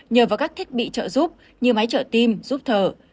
nhờ vào các thiết bị trợ giúp như máy trợ tim giúp thở